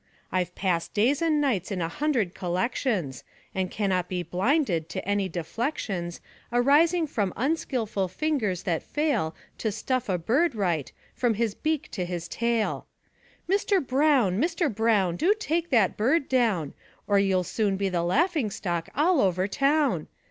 I've passed days and nights in a hundred collections, And cannot be blinded to any deflections Arising from unskilful fingers that fail To stuff a bird right, from his beak to his tail. Mister Brown! Mr. Brown! Do take that bird down, Or you'll soon be the laughingstock all over town!'